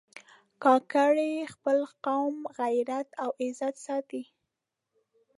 کاکړي د خپل قوم غیرت او عزت ساتي.